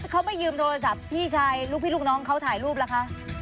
เขาไม่ยืมโทรศัพท์พี่ชายลูกพี่ลูกน้องเขาถ่ายรูปล่ะคะ